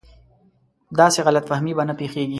داسې غلط فهمي به نه پېښېږي.